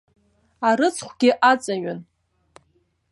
Арыцхәгьы аҵаҩын.